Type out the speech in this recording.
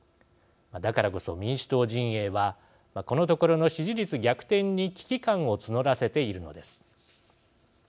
だからこそ、民主党陣営はこのところの支持率逆転に危機感を募らせているのです。